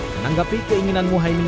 menanggapi keinginan muhaymin